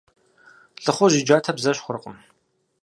ЛӀыхъужь и джатэ бзэщхъуркъым.